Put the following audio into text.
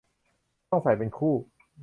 ต้องใส่เป็นคู่